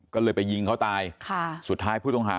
ก็เลยไปยิงเขาตาย